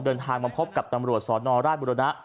เดินทางมาพบกับตำรวจสนราชบุรณะ